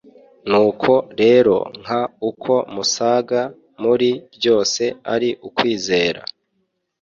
Nuko rero nk uko musaga muri byose ari ukwizera